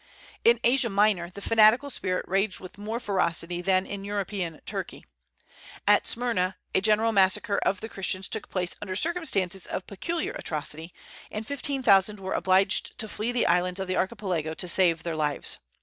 In Asia Minor the fanatical spirit raged with more ferocity than in European Turkey. At Smyrna a general massacre of the Christians took place under circumstances of peculiar atrocity, and fifteen thousand were obliged to flee to the islands of the Archipelago to save their lives.